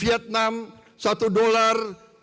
tiga atau empat dolar